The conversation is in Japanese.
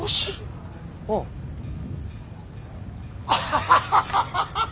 アハハハハ！